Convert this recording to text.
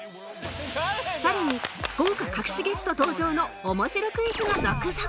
更に豪華隠しゲスト登場のおもしろクイズが続々